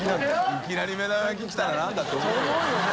いきなり目玉焼き来たらなんだって思うよな。